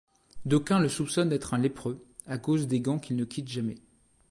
D'aucuns le soupçonnent d'être un lépreux, à cause des gants qu'il ne quitte jamais.